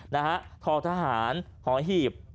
ท้าทหารฮฮ๖๒๙๘